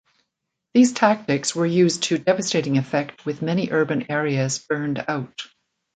These tactics were used to devastating effect with many urban areas burned out.